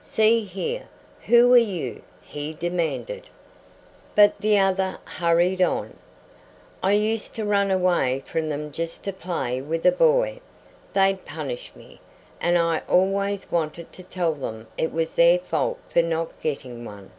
"See here, who are you?" he demanded. But the other hurried on: "I used to run away from them just to play with a boy. They'd punish me, and I always wanted to tell them it was their fault for not getting one."